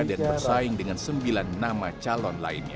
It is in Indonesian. dan bersaing dengan sembilan nama calon lainnya